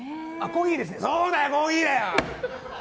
そうだよ、コーヒーだよ！